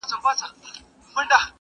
چي په لاره کي د دوی څنګ ته روان یم!.